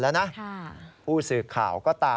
มันก็เลี่ยวส่วน